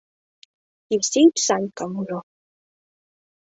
— Евсеич Санькам ужо.